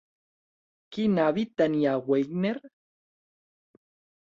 Quin hàbit tenia Wagner?